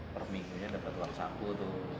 perminggunya dapat uang sampo tuh